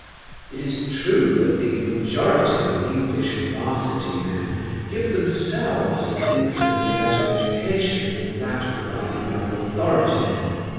It is true that the majority of English 'Varsity men give themselves an infinitely better education than that provided by the authorities.